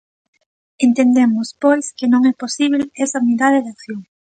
Entendemos, pois, que non é posíbel esa unidade de acción.